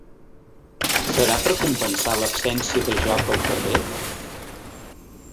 Serà per compensar l’absència de joc al carrer?